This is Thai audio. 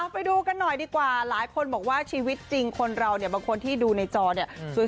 ไปดูกันหน่อยดีกว่าหลายคนบอกว่าชีวิตจริงคนเราเนี่ยบางคนที่ดูในจอเนี่ย